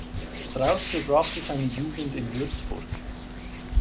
Strauss verbrachte seine Jugend in Würzburg.